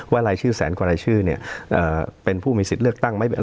รายชื่อแสนกว่ารายชื่อเนี่ยเป็นผู้มีสิทธิ์เลือกตั้งไหม